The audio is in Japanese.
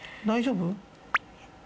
大丈夫？